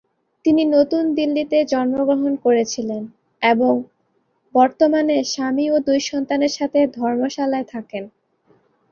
তিনি নতুন দিল্লিতে জন্মগ্রহণ করেছিলেন এবং বর্তমানে স্বামী ও দুই সন্তানের সাথে ধর্মশালায় থাকেন।